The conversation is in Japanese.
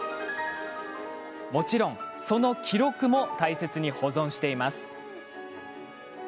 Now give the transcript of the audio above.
もちろん、その記録も大切に保存しています。